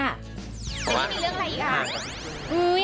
ไม่มีเรื่องอะไรอีก